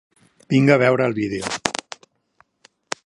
Vinc a veure el vídeo.